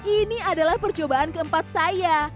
ini adalah percobaan keempat saya